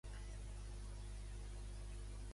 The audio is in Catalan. Quines connexions hi ha entre el mite d'Enòmau i Taraxip?